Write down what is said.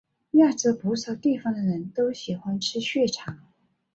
亚洲不少地方的人都喜欢吃血肠。